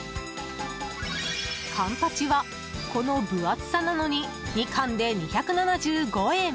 カンパチは、この分厚さなのに２貫で２７５円。